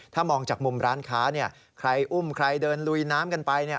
ถ้ามองจากมุมร้านค้าใครอุ้มใครเดินลุยน้ำกันไป